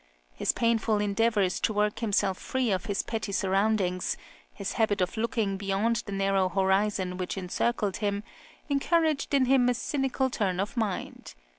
His painful endeavours to work himself free of his petty surroundings, his habit of looking beyond the narrow horizon which encircled him, encouraged in him a cynical {CHILDHOOD.} (6) turn of mind.